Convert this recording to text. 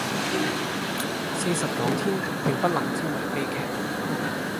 四十九天並不能稱為悲劇